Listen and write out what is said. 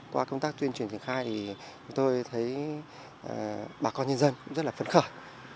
qua công tác tuyên truyền triển khai thì chúng tôi thấy bà con nhân dân cũng rất là phấn khởi